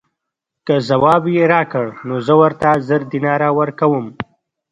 که ځواب یې راکړ نو زه ورته زر دیناره ورکووم.